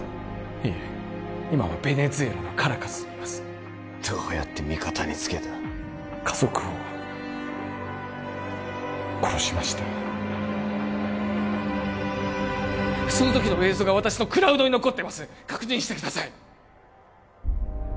いえ今はベネズエラのカラカスにいますどうやって味方につけた家族を殺しましたその時の映像が私のクラウドに残っています確認してください